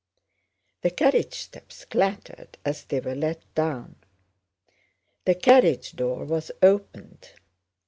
The carriage steps clattered as they were let down. The carriage door was opened.